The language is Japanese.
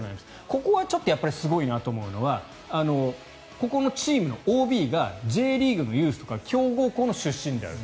ここはちょっとすごいなと思うのはここのチームのＯＢがＪリーグのユースとか強豪校の出身である。